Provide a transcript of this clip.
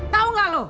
tau gak lo